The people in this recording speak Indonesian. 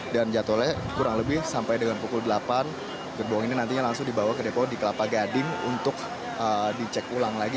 dan jadwalnya kurang lebih sampai dengan pukul delapan gerbong ini nantinya langsung dibawa ke depo di kelapa gading untuk dicek ulang lagi